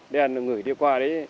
đen nó ngửi đi qua đấy